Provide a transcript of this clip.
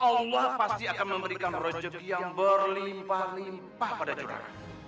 allah pasti akan memberikan projek yang berlimpah limpah pada jurang